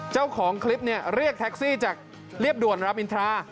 เจ้าของคลิปเรียกแท็กซี่จากเรียบด่วนรามอินทรา